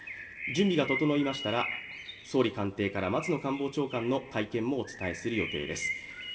準備が整いましたら総理官邸から松野官房長官の会見もお伝えする予定です。